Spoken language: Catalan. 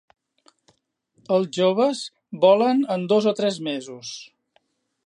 Els joves volen en dos o tres mesos.